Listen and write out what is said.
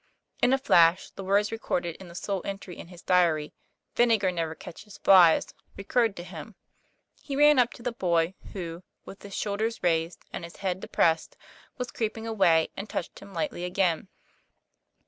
In a flash the words recorded in the sole entry in his diary, "Vinegar never catches flies," re curred to him. He ran up to the boy, who, with his shoulders raised and his head depressed, was creep ing away, and touched him lightly again.